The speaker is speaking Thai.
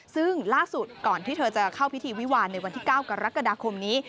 ซึ่งล่าสุดก่อนที่เธอจะเข้าพิธีวิวาลในวันที่๙กรกฎาคมนี้